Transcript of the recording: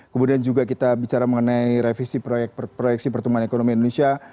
kemudian juga kita bicara mengenai revisi proyeksi pertumbuhan ekonomi indonesia